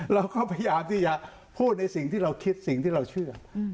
เราก็พยายามที่จะพูดในสิ่งที่เราคิดสิ่งที่เราเชื่อ